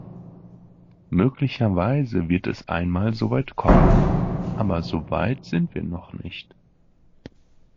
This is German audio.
Möglicherweise wird es einmal soweit kommen, aber soweit sind wir noch nicht.